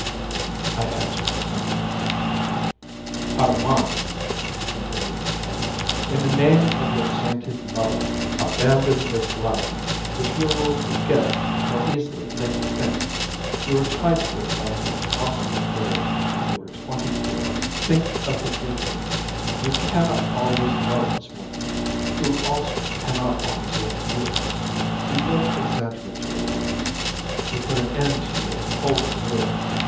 I answered nothing. "Armand," continued my father, "in the name of your sainted mother, abandon this life, which you will forget more easily than you think. You are tied to it by an impossible theory. You are twenty four; think of the future. You can not always love this woman, who also can not always love you. You both exaggerate your love. You put an end to your whole career.